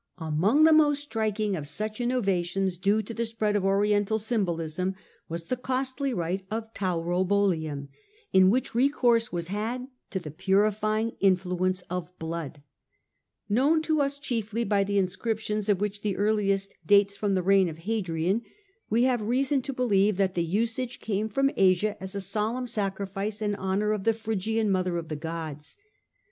Among the most striking of such innovations due to the spread of Oriental symbolism was the costly rite of taurobolium^ in which recourse was had to the The striking purifying influence of blood. Known to us of'the/rt/J?? chiefly by inscriptions, of which the earliest boUum. dates from the reign of Hadrian, we have reason to believe that the usage came from Asia as a solemn sacrifice in honour of the Phrygian Mother of the Gods.